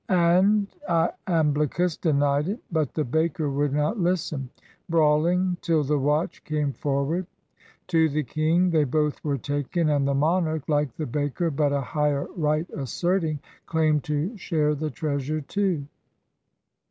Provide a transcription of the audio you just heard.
And lamblicus denied it; But the baker would not listen. Brawling till the watch came forward. To the king they both were taken ; And the monarch, hke the baker. But a higher right asserting, Claimed to share the treasure too.